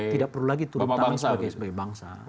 tidak perlu lagi turun tangan sebagai bangsa